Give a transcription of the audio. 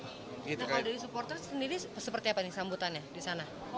nah kalau dari supporter sendiri seperti apa nih sambutannya di sana